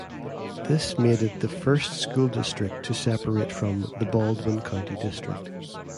This made it the first school district to separate from the Baldwin County district.